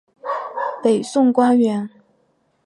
北宋官员。